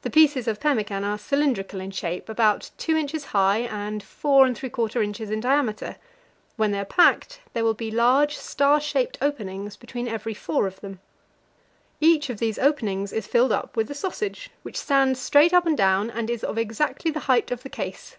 The pieces of pemmican are cylindrical in shape, about 2 inches high and 4 and 3/4 inches in diameter; when they are packed, there will be large star shaped openings between every four of them. Each of these openings is filled up with a sausage, which stands straight up and down, and is of exactly the height of the case.